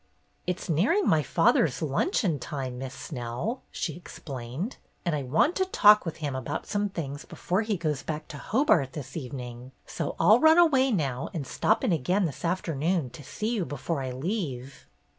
"It is nearing my father's luncheon time. Miss Snell," she explained, "and I want to talk with him about some things before he 2/0 BETTY BAIRD'S GOLDEN YEAR goes back to Hobart this evening, so I'll run away now and stop in again this afternoon to see you before I leave."